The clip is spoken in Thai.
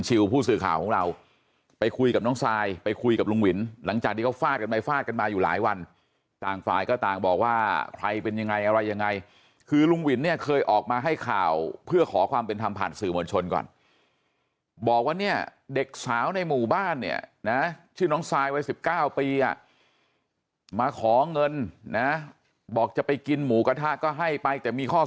ผู้สื่อข่าวของเราไปคุยกับน้องซายไปคุยกับลุงวินหลังจากที่เขาฟาดกันไปฟาดกันมาอยู่หลายวันต่างฝ่ายก็ต่างบอกว่าใครเป็นยังไงอะไรยังไงคือลุงวินเนี่ยเคยออกมาให้ข่าวเพื่อขอความเป็นธรรมผ่านสื่อมวลชนก่อนบอกว่าเนี่ยเด็กสาวในหมู่บ้านเนี่ยนะชื่อน้องซายวัย๑๙ปีอ่ะมาขอเงินนะบอกจะไปกินหมูกระทะก็ให้ไปแต่มีข้อ